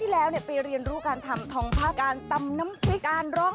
แล้วเราแสงก็แสงมันแดดมันร้อน